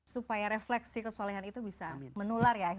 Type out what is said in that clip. supaya refleksi kesolehan itu bisa menular ya